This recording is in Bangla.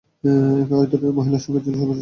এ ধরনের মহিলার সংখ্যা ছিল সর্বোচ্চ চৌদ্দজন।